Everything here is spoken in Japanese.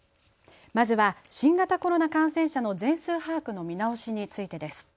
まずは新型コロナ感染者の全数把握の見直しについてです。